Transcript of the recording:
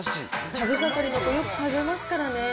食べ盛りの子、よく食べますからね。